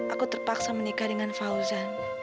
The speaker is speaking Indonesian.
aku terpaksa menikah dengan fauzan